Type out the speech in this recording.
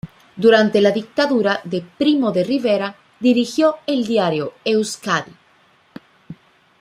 Durante la dictadura de Primo de Rivera dirigió el diario "Euzkadi".